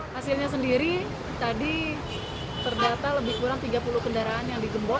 hasilnya sendiri tadi terdata lebih kurang tiga puluh kendaraan yang digembok